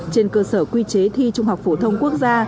trên cơ sở quy chế thi trung học phổ thông quốc gia